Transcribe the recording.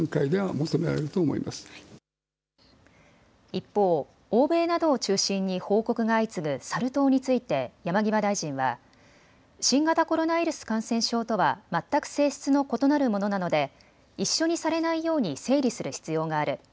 一方、欧米などを中心に報告が相次ぐサル痘について山際大臣は新型コロナウイルス感染症とは全く性質の異なるものなので一緒にされないように整理する必要がある。